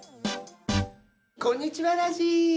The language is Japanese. こんにちはラジ。